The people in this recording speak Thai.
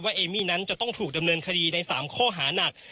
เอมมี่นั้นจะต้องถูกดำเนินคดีใน๓ข้อหานัก